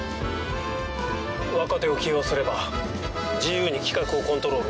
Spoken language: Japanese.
若手を起用すれば自由に企画をコントロールできるから。